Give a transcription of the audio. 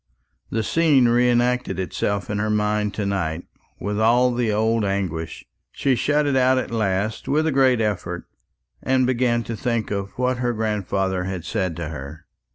The scene re acted itself in her mind to night, with all the old anguish. She shut it out at last with a great effort, and began to think of what her grandfather had said to her.